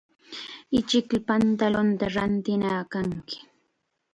Ichik pantalunta rintinaq kanki.